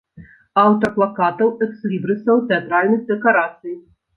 Аўтар плакатаў, экслібрысаў, тэатральных дэкарацый.